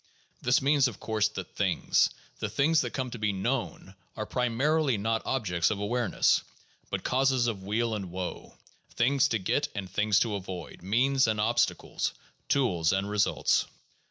This means, of course, that things, the things that come to be known, are primarily not objects of awareness, but causes of weal and woe, things to get and things to avoid, means and obstacles, tools and results.